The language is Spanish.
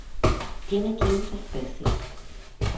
Tiene quince especies.